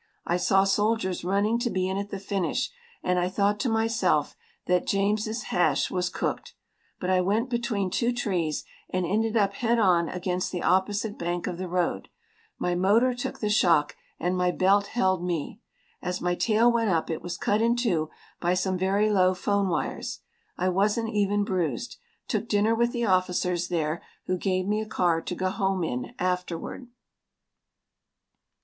I saw soldiers running to be in at the finish and I thought to myself that James's hash was cooked, but I went between two trees and ended up head on against the opposite bank of the road. My motor took the shock and my belt held me. As my tail went up it was cut in two by some very low 'phone wires. I wasn't even bruised. Took dinner with the officers there who gave me a car to go home in afterward.